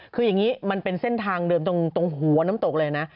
คืออย่างนี้มันเป็นเส้นทางเดิมตรงหัวน้ำตกเลยนะ